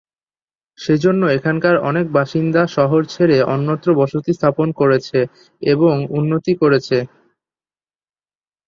সেজন্য এখানকার অনেক বাসিন্দা শহর ছেড়ে অন্যত্র বসতি স্থাপন করেছে এবং উন্নতি করেছে।